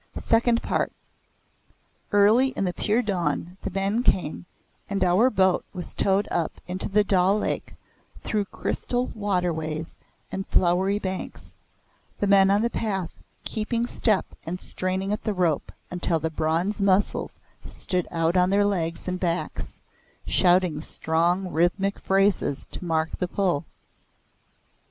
SECOND PART Early in the pure dawn the men came and our boat was towed up into the Dal Lake through crystal waterways and flowery banks, the men on the path keeping step and straining at the rope until the bronze muscles stood out on their legs and backs, shouting strong rhythmic phrases to mark the pull.